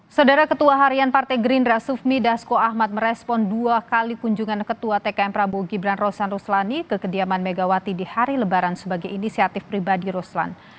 saudara ketua harian partai gerindra sufmi dasko ahmad merespon dua kali kunjungan ketua tkm prabowo gibran rosan ruslani ke kediaman megawati di hari lebaran sebagai inisiatif pribadi ruslan